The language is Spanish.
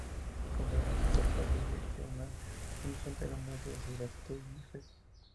Con gran esfuerzo el pueblo erigió un Santuario, muestra de su gratitud y fe.